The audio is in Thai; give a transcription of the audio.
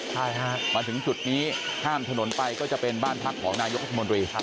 มาถึงจุดนี้ข้ามถนนไปก็จะเป็นบ้านพักของนายกธรรมดรี